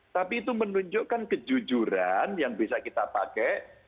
tapi itu menunjukkan kejujuran yang bisa kita pakai